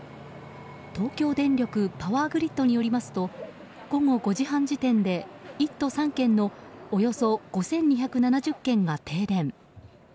東京電力パワーグリッドによりますと午後５時半時点で１都３県のおよそ５２７０軒が停電。